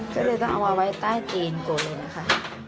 ก็เลยแต่เอาใช้ใต้จีนกูเลยนะคะ